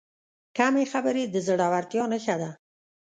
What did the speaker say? کمې خبرې، د زړورتیا نښه ده.